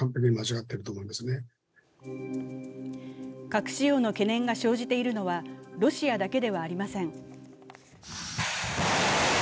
核使用の懸念が生じているのはロシアだけではありません。